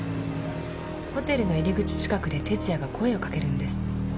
ホテルの入り口近くで哲弥が声を掛けるんです。